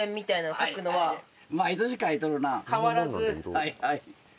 はいはい。